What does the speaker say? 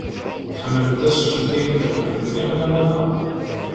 Tḥemmlemt ad teččemt ayen imellḥen mliḥ neɣ ala?